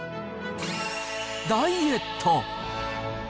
ダイエット。